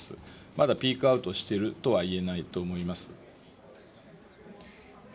まだピークアウトしてるとは言えないと思います。